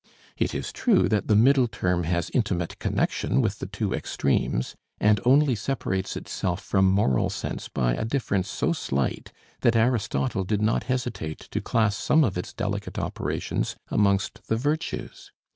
It is true that the middle term has intimate connection with the two extremes, and only separates itself from Moral Sense by a difference so slight that Aristotle did not hesitate to class some of its delicate operations amongst the virtues.